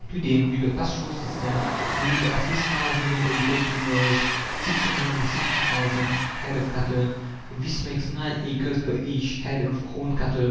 To day, with the pasture system, we need at least five million acres to nourish 660,000 head of cattle. This makes nine acres per each head of horned cattle.